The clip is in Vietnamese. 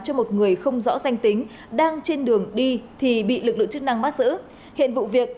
cho một người không rõ danh tính đang trên đường đi thì bị lực lượng chức năng bắt giữ hiện vụ việc